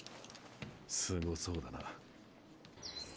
すごそうだな。